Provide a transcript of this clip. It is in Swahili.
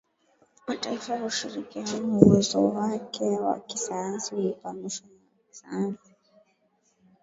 mataifa ya ushirikiano Uwezo wake wa kisayansi ulipanushwa na wanasayansi